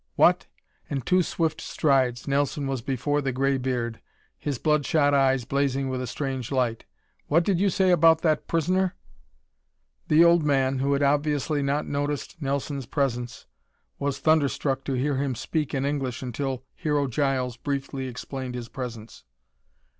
"What!" In two swift strides Nelson was before the gray beard, his blood shot eyes blazing with a strange light. "What did you say about that prisoner?" The old man, who had obviously not noticed Nelson's presence, was thunderstruck to hear him speak in English until Hero Giles briefly explained his presence.